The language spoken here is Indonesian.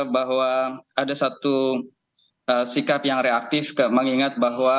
bahwa ada satu sikap yang reaktif mengingat bahwa